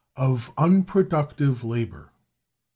Of Unproductive Labor.